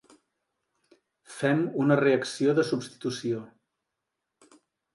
Fem una reacció de substitució.